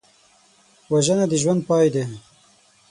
وژنه د ژوند پای دی